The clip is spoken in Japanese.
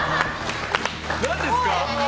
何ですか？